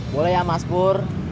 boleh ya mas pur